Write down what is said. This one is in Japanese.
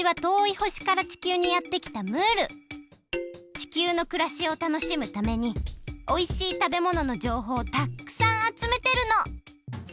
地球のくらしを楽しむためにおいしい食べもののじょうほうをたっくさんあつめてるの！